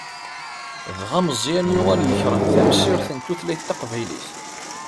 Dɣa Meẓyan yuɣal yekreh tamsirt n tutlayt taqbaylit.